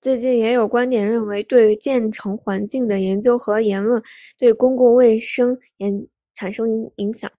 最近也有观点认为对建成环境的研究和言论对公共卫生产生影响。